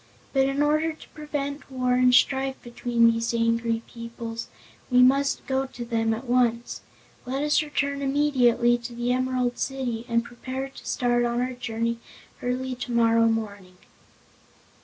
But, in order to prevent war and strife between these angry peoples, we must go to them at once. Let us return immediately to the Emerald City and prepare to start on our journey early tomorrow morning."